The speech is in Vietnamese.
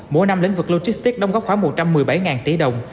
mỗi năm lĩnh vực logistics đồng góp khoảng một trăm một mươi bảy đồng